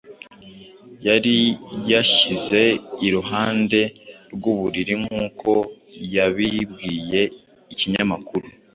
yari yashyize iruhande rw’uburiri nk’uko yabibwiye ikinyamakuru